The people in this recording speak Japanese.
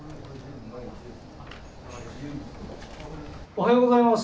おはようございます。